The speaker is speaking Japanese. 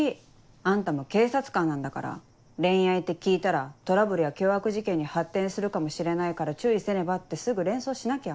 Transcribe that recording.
あんたも警察官なんだから恋愛って聞いたらトラブルや凶悪事件に発展するかもしれないから注意せねばってすぐ連想しなきゃ。